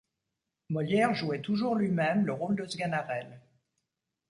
Molière jouait toujours lui-même le rôle de Sganarelle.